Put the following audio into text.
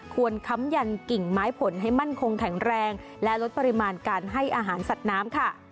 ค้ำยันกิ่งไม้ผลให้มั่นคงแข็งแรงและลดปริมาณการให้อาหารสัตว์น้ำค่ะ